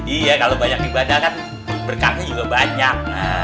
iya kalau banyak ibadah kan berkahnya juga banyak